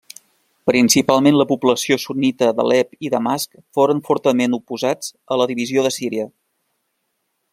Principalment la població sunnita d'Alep i Damasc foren fortament oposats a la divisió de Síria.